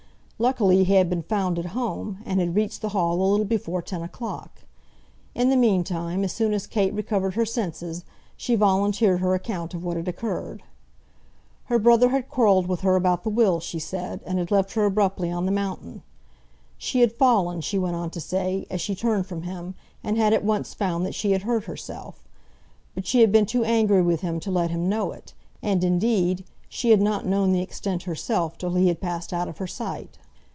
Luckily he had been found at home, and had reached the Hall a little before ten o'clock. In the meantime, as soon as Kate recovered her senses, she volunteered her account of what had occurred. Her brother had quarrelled with her about the will, she said, and had left her abruptly on the mountain. She had fallen, she went on to say, as she turned from him, and had at once found that she had hurt herself. But she had been too angry with him to let him know it; and, indeed, she had not known the extent herself till he had passed out of her sight.